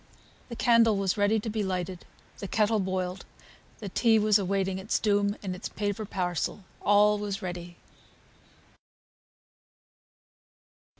The candle was ready to be lighted, the kettle boiled, the tea was awaiting its doom in its paper parcel; all was ready.